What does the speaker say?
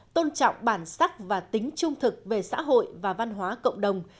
tôn trọng bản sắc và tính trung thực về xã hội và văn hóa cộng đồng